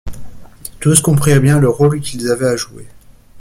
Tous comprirent bien le rôle qu’ils avaient à jouer.